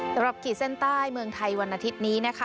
ขีดเส้นใต้เมืองไทยวันอาทิตย์นี้นะคะ